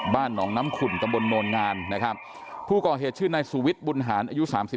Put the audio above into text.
บ้านหนองน้ำขุ่นตโมล่งาผู้ก่อเหตุชื่อนายสวิตบุญหารอายุ๓๕